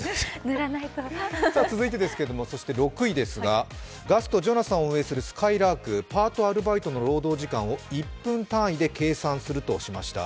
続いてですけれども６位ですが、ガスト、ジョナサンを運営するすかいらーく、パート、アルバイトの賃金を１分単位で計算するとしました。